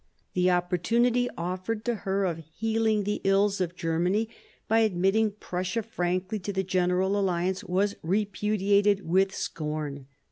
The opportunity offered to her of healing the ills of Germany by admitting Prussia frankly to the general alliance was repudiated with scorn.